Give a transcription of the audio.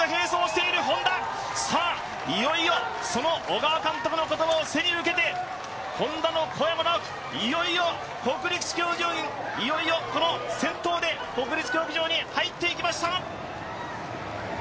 さあ、いよいよその小川監督の言葉を背に受けて、Ｈｏｎｄａの小山直城、いよいよ先頭で国立競技場に入っていきました！